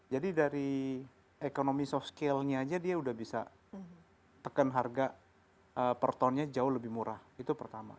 jadi dari ekonomi soft scale nya aja dia udah bisa tekan harga per tonnya jauh lebih murah itu pertama